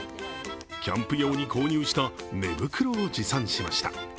キャンプ用に購入した寝袋を持参しました。